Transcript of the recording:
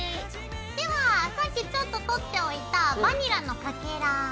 ではさっきちょっと取っておいたバニラのかけら。